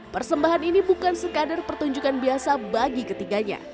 persembahan ini bukan sekadar pertunjukan biasa bagi ketiganya